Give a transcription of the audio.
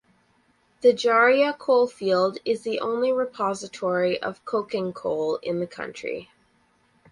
The Jharia coalfield is the only repository of coking coal in the country.